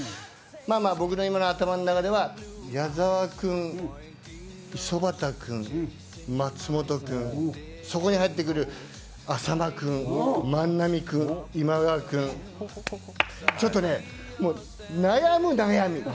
僕の今の頭の中では矢澤君、五十幡君、松本君、そこに入ってくる浅間君、万波君、今川君ちょっと悩む悩み。